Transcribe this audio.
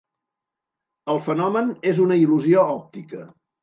El fenomen és una il·lusió òptica.